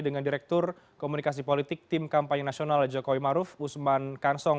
dengan direktur komunikasi politik tim kampanye nasional jokowi maruf usman kansong